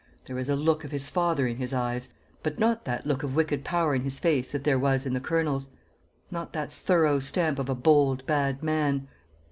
There is a look of his father in his eyes, but not that look of wicked power in his face that there was in the Colonel's not that thorough stamp of a bold bad man.